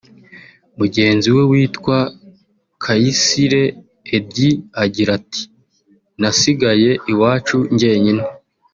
Mugenzi we witwa Kayisire Eddie agira ati “Nasigaye iwacu njyenyine